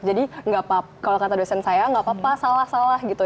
jadi kalau kata dosen saya nggak apa apa salah salah gitu